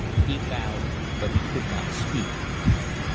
He bowed, but he could not speak.